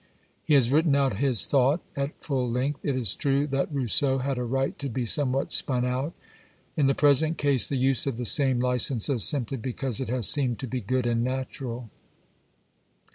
He has written out his thought at full length. It is true that Rousseau had a right to be somewhat spun out ; in the present case, the use of the same licence is simply because it has seemed to be good and natural.